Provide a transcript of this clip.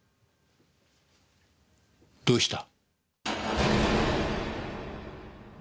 どうした？